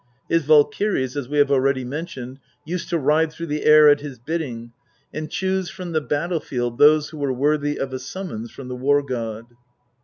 His valkyries, as we have already mentioned, used to ride through the air at his bidding, and choose from the battlefield those who were worthy of a summons from the War god.